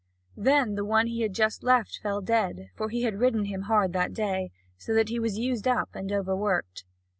Then the one he had just left fell dead, for he had ridden him hard that day, so that he was used up and overworked.